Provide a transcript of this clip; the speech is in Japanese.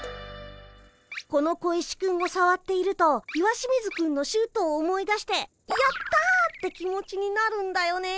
この小石くんをさわっていると石清水くんのシュートを思い出してやった！って気持ちになるんだよね。